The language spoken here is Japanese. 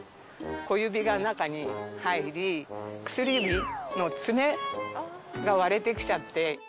小指が中に入り薬指の爪が割れて来ちゃって。